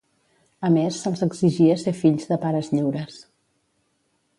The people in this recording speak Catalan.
A més, se'ls exigia ser fills de pares lliures.